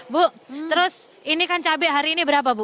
bu terus ini kan cabai hari ini berapa bu